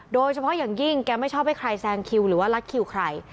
โดยเฉพาะอย่างยิ่งแกไม่ชอบให้ใครแซงคิวหรือว่าลัดคิวใคร